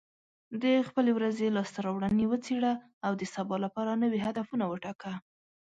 د خپلې ورځې لاسته راوړنې وڅېړه، او د سبا لپاره نوي هدفونه وټاکه.